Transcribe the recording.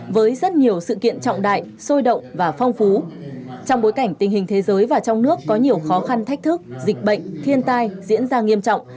với rất nhiều sự kiện trọng đại sôi động và phong phú trong bối cảnh tình hình thế giới và trong nước có nhiều khó khăn thách thức dịch bệnh thiên tai diễn ra nghiêm trọng